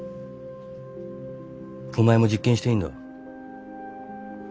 お前も実験していいんだ。